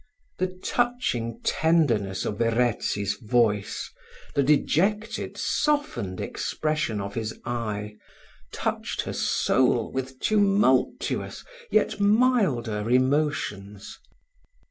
The touching tenderness of Verezzi's voice, the dejected softened expression of his eye, touched her soul with tumultuous yet milder emotions.